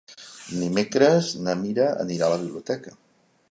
Dimecres na Mira anirà a la biblioteca.